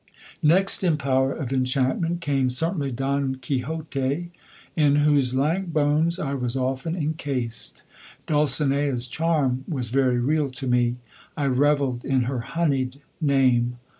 Next in power of enchantment came certainly Don Quixote, in whose lank bones I was often encased. Dulcinea's charm was very real to me. I revelled in her honeyed name.